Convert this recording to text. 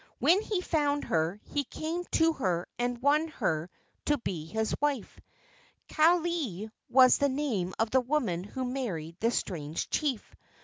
When he found her he came to her and won her to be his wife. Kalei was the name of the woman who married the strange chief.